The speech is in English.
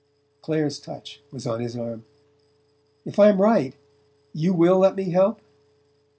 Clare's touch was on his arm. "If I'm right you WILL let me help?"